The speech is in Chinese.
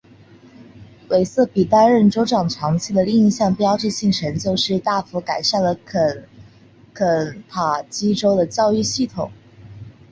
韦瑟比担任州长期间的另一项标志性成就是大幅改善了肯塔基州的教育系统。